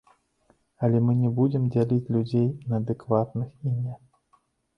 Але мы не будзем дзяліць людзей на адэкватных і не.